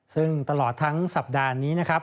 ซึ่งตลอดทั้งสัปดาห์นี้นะครับ